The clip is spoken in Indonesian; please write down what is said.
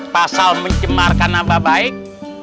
pasal mencemarkan nama baik